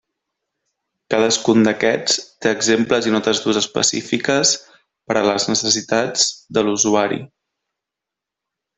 Cadascun d'aquests té exemples i notes d'ús específiques per a les necessitats de l'usuari.